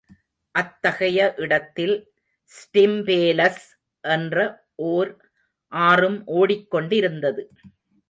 அத்தகைய இடத்தில் ஸ்டிம்பேலஸ் என்ற ஓர் ஆறும் ஓடிக் கொண்டிருந்தது.